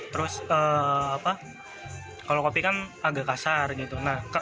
terus kalau kopi kan agak kasar gitu